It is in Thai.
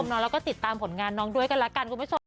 ชมเนอะแล้วก็ติดตามผลงานน้องด้วยกันละกัน